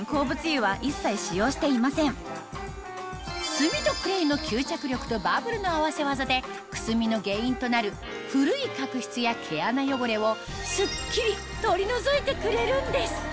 炭とクレイの吸着力とバブルの合わせ技でくすみの原因となる古い角質や毛穴汚れをスッキリ取り除いてくれるんです